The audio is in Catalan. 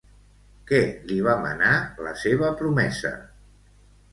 Què li va manar la seva promesa?